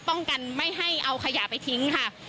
ป้องกันไม่ให้เอาขยะไปทิ้งค่ะ